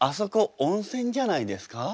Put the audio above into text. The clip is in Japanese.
温泉じゃないですか？